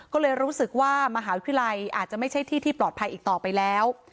ก็เลยรู้สึกว่ามหาวิทยาลัยอาจจะไม่ใช่ที่ที่ปลอดภัยอีกต่อไปแล้ว